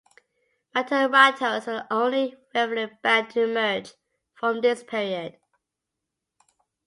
Mata Ratos were the only relevant band to emerge from this period.